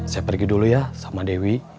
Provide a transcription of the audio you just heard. saya pergi dulu ya sama dewi